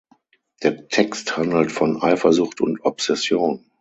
Der Text handelt von Eifersucht und Obsession.